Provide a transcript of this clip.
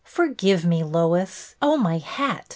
'' Forgive me, Lois. Oh, my hat